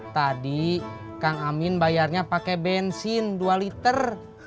tadi kang amin bayarnya pakai bensin dua liter